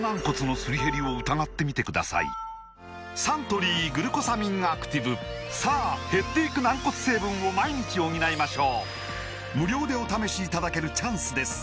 サントリー「グルコサミンアクティブ」さあ減っていく軟骨成分を毎日補いましょう無料でお試しいただけるチャンスです